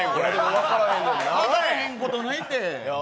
分からへんことないって。